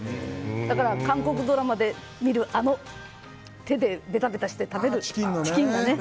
だから韓国ドラマで見る手でベタベタして食べるチキン。